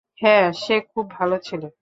হ্যাঁঁ, সে খুব ভালো ছেলে।